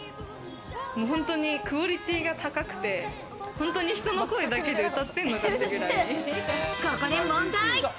本当にクオリティーが高くて、本当に人の声だけで歌ってるここで問題。